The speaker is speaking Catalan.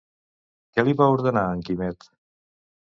Què li va ordenar en Quimet?